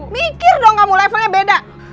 mikir dong kamu levelnya beda